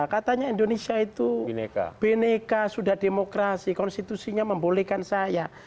katanya indonesia itu bineka sudah demokrasi konstitusinya membolehkan saya